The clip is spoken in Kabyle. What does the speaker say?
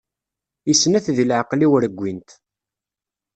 I snat di leɛqeli-iw reggint.